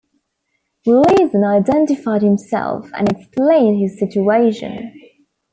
Gleason identified himself and explained his situation.